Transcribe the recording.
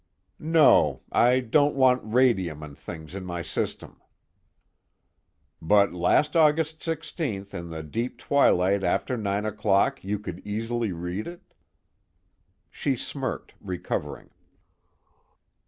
"No, I don't want radium and things in my system." "But last August 16th, in the deep twilight after nine o'clock, you could easily read it?" She smirked, recovering.